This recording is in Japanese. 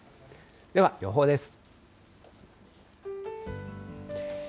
では、予報です。